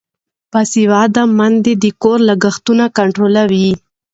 باسواده میندې د کور لګښتونه کنټرولوي.